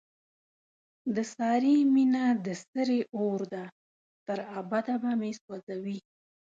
د سارې مینه د سرې اورده، تر ابده به مې سو ځوي.